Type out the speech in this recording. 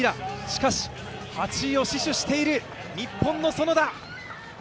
しかし、８位を死守している日本の園田。